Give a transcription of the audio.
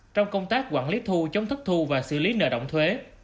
trong công tác quản lý thu chống thất thu và xử lý nợ động thuế